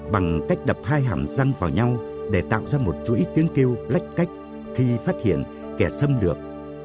bằng cách đập hai hàm răng vào nhau để tạo ra một chuỗi tiếng kêu lách cách khi phát hiện kẻ xâm lược